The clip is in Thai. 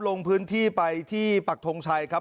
ลงพื้นที่ไปที่ปักทงชัยครับ